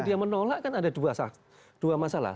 dia menolak kan ada dua masalah